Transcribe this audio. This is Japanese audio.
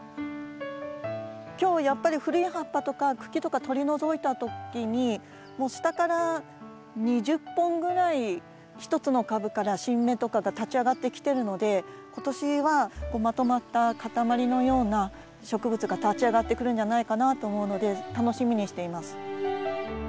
今日やっぱり古い葉っぱとか茎とか取り除いた時にもう下から２０本ぐらい１つの株から新芽とかが立ち上がってきてるので今年はまとまった塊のような植物が立ち上がってくるんじゃないかなと思うので楽しみにしています。